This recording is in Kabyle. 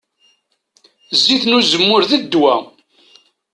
Zzit n uzemmur, d ddwa.